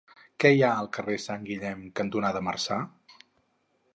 Què hi ha al carrer Sant Guillem cantonada Marçà?